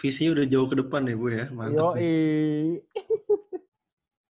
visinya udah jauh ke depan ya bu ya